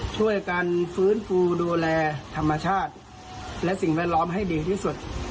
ช่วยกันฟื้นฟูดูแลธรรมชาติและสิ่งแวดล้อมให้ดีที่สุด